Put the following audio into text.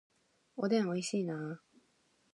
おでん美味しいな